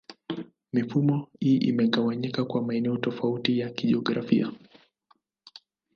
Mifumo hii imegawanyika kwa maeneo tofauti ya kijiografia.